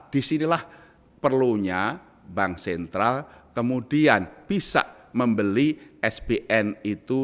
disinilah perlunya bank sentral kemudian bisa membeli sbn itu